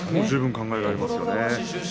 十分考えられますね。